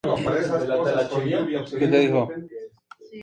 Al ampliarse las playas, la población acude de paseo y de "piquete".